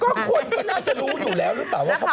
ก็คนก็น่าจะรู้อยู่แล้วหรือเปล่าว่า